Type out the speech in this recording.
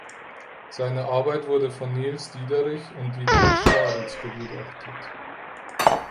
Seine Arbeit wurde von Nils Diederich und Dietrich Staritz begutachtet.